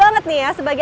fransis yang memulai